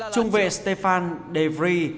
trung vệ stefan de vries